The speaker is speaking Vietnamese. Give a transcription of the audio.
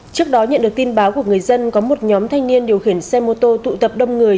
trước đó nhận được tin báo của người dân có một nhóm thanh niên điều khiển xe mô tô tụ tập đông người